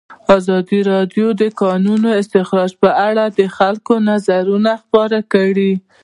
ازادي راډیو د د کانونو استخراج په اړه د خلکو نظرونه خپاره کړي.